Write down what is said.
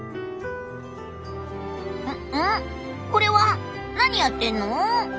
これは何やってんの？